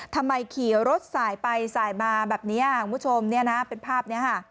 ทำไมขี่รถสายไปสายมาแบบนี้คุณผู้ชมเป็นภาพนี้